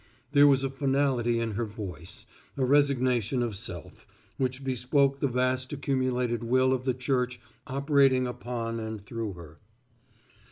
There was a finality in her voice, a resignation of self, which bespoke the vast accumulated will of the Church operating upon and through her.